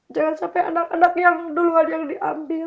jangan sampai anak anak yang duluan yang diambil